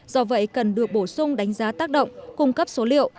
do vậy cần được bổ sung đánh giá tác động cung cấp số liệu